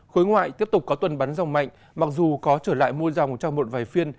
khối ngoại tiếp tục có tuần bắn dòng mạnh mặc dù có trở lại mua dòng trong một vài phiên